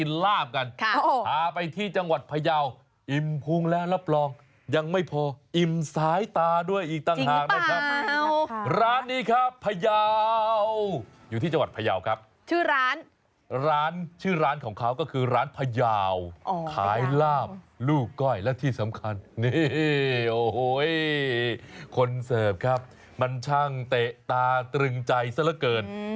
นี่โอ้โหคนเสิร์ฟครับมันช่างเตะตาตรึงใจซะละเกิน